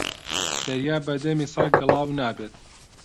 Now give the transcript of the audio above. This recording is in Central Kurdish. دەریا بە دەمی سەگ گڵاو نابێت